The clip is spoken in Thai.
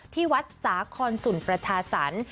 ที่วัดสาขอลศุนย์ประชาสัน